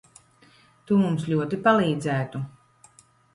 Tu mums ļoti palīdzētu.